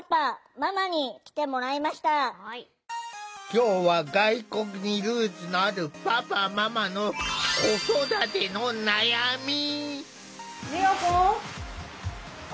今日は外国にルーツのあるパパママの子育てのなやみ。